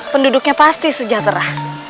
penduduknya pasti sejahtera